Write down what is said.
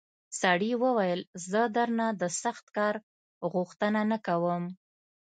سړي وویل زه درنه د سخت کار غوښتنه نه کوم.